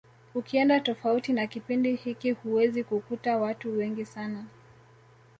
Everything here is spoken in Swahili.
Ukienda tofauti na kipindi hiki huwezi kukuta watu wengi sana